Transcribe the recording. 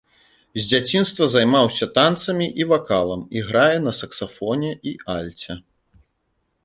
З дзяцінства займаўся танцамі і вакалам, іграе на саксафоне і альце.